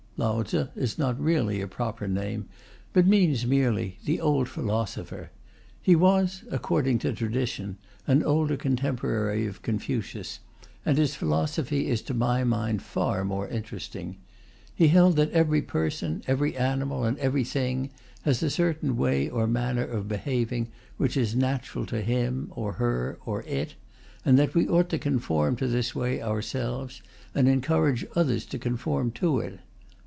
"Lao Tze" is not really a proper name, but means merely "the old philosopher." He was (according to tradition) an older contemporary of Confucius, and his philosophy is to my mind far more interesting. He held that every person, every animal, and every thing has a certain way or manner of behaving which is natural to him, or her, or it, and that we ought to conform to this way ourselves and encourage others to conform to it.